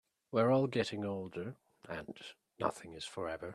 We are all getting older, and nothing is forever.